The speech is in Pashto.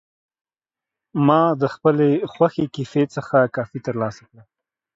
ما د خپلې خوښې کیفې څخه کافي ترلاسه کړه.